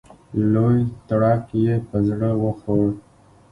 لوی تړک یې په زړه وخوړ.